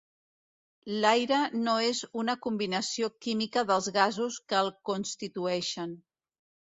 L'aire no és una combinació química dels gasos que el constitueixen.